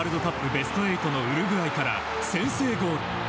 ベスト８のウルグアイから先制ゴール。